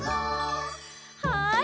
はい。